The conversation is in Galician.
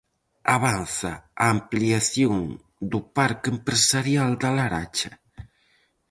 Avanza a ampliación do parque empresarial da Laracha.